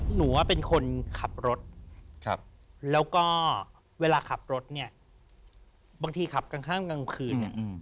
หนูว่าเป็นคนขับรถแล้วก็เวลาขับรถเนี่ยบางทีขับกลางข้ามกลางคืนเนี่ย